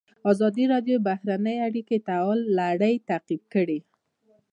ازادي راډیو د بهرنۍ اړیکې د تحول لړۍ تعقیب کړې.